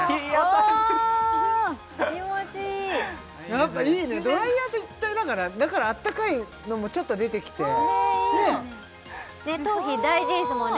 やっぱいいねドライヤーと一体だからだからあったかいのもちょっと出てきてこれいいですね